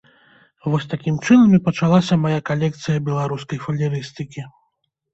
Вось такім чынам і пачалася мая калекцыя беларускай фалерыстыкі.